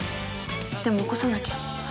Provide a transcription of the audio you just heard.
でも起こさなきゃ。